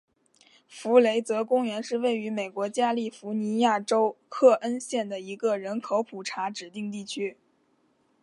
弗雷泽公园是位于美国加利福尼亚州克恩县的一个人口普查指定地区。